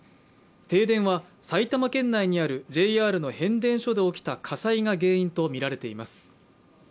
停電は埼玉県内にあるＪＲの変電所で起きた火災が原因とみられています。